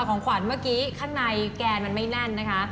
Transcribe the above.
ของขวัญเมื่อกี้ข้างในแกนมันไม่แน่นนะคะ